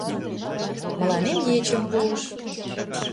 Мыланем ечым пуыш.